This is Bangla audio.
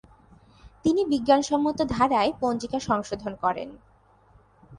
তিনি বিজ্ঞানসম্মত ধারায় পঞ্জিকা সংশোধন করেন।